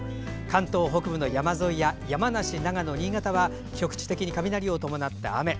関東北部の山沿いや山梨、長野、新潟は局地的に雷を伴った雨。